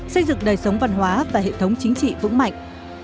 xây dựng đời sống văn hóa và hệ thống chính trị vững mạnh